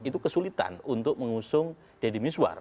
dan itu kesulitan untuk mengusung deddy miswar